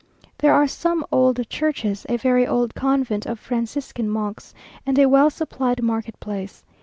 There are some old churches, a very old convent of Franciscan monks, and a well supplied marketplace.